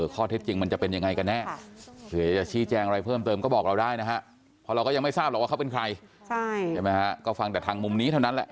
คุณแม่พูดดี